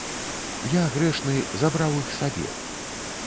Я, грэшны, забраў іх сабе.